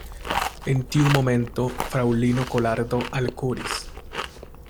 En tiu momento, fraŭlino Kolardo alkuris.